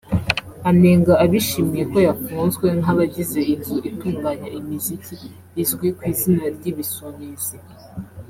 Anenga abishimiye ko yafunzwe nk’abagize inzu itunganya imiziki izwi ku izina ry’Ibisumizi